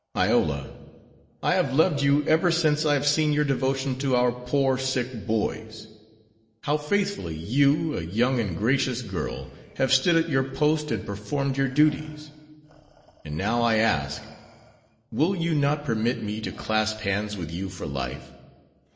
Iola, I have loved you ever since I have seen your devotion to our poor, sick boys. How faithfully you, a young and gracious girl, have stood at your post and performed your duties. And now I ask, will you not permit me to clasp hands with you for life?